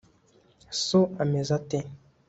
so ameze ate